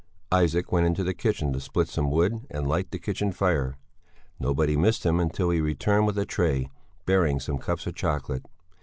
Isaac went into the kitchen to split some wood and light the kitchen fire. Nobody missed him until he returned with a tray bearing some cups of chocolate.